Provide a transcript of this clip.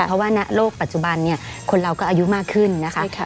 เพราะว่าณโลกปัจจุบันเนี่ยคนเราก็อายุมากขึ้นนะคะ